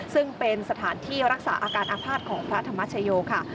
ซึ่งเป็นสถานที่รักษาอาการอาภาษณ์ของพระธรรมชโยค่ะ